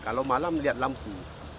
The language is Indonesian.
kalau malam lihat lampu